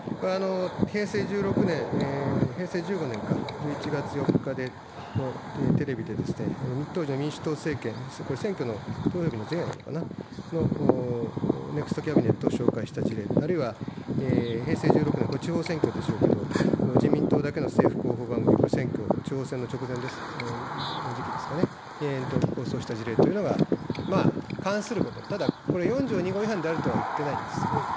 平成１６年、平成１５年か、１１月４日のテレビで当時の民主党政権、これ、選挙の投票日の前夜なのかな、ネクストキャビネットを紹介した事例、あるいは平成１６年、これ、地方選挙でしょうけど、自民党だけの政府広報番組、これ、選挙、地方選の直前です、の時期ですかね、放送した事例というのが、まあ、関すること、ただ、これ、４条２号違反であるとは言ってないんですよね。